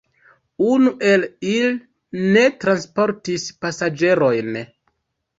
Unu el ili ne transportis pasaĝerojn.